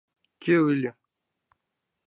— Кӧ ыле?